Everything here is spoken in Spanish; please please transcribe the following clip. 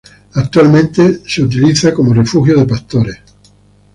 Actualmente se utiliza como refugio de pastores.